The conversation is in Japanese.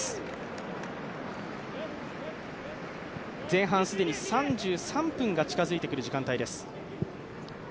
前半既に３３分が近づいてくる時間帯です。